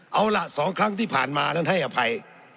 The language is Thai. เอาล่ะ๒ครั้งที่ผ่านมานั้นให้อภัย